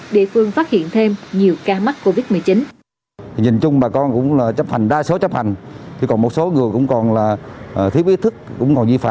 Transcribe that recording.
địa phương phát hiện thêm nhiều ca mắc covid một mươi chín